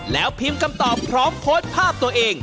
แล้วพิมพ์คำตอบพร้อมโพสต์ภาพตัวเอง